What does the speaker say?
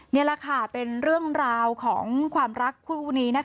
นี่แหละค่ะเป็นเรื่องราวของความรักคู่นี้นะคะ